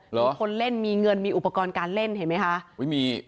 มีคนเล่นมีเงินมีอุปกรณ์การเล่นเห็นไหมคะ